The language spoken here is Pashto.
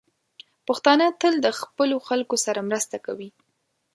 پښتانه تل د خپلو خلکو سره مرسته کوي.